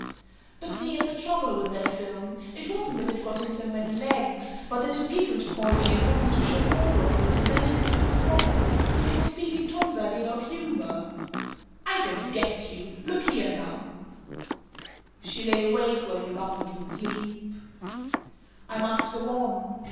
"But, dear, the trouble with that film it wasn't that it got in so many legs, but that it giggled coyly and promised to show more of them, and then didn't keep the promise. It was Peeping Tom's idea of humor." "I don't get you. Look here now " She lay awake, while he rumbled with sleep "I must go on.